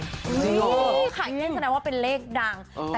นี่ค่ะเลขแสดงว่าเป็นเลขดัง